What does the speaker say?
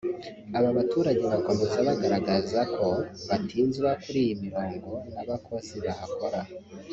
Aba baturage bakomeza bagaragaza ko batinzwa kuri iyi mirongo n’abakozi bahakora